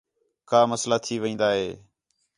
کا مسئلہ تھی وین٘دا ہِے